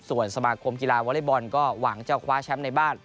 ส่วนสมาคมกีฬาวอเล็กบอลก็หวังจะคว้าแชมป์ในบ้าน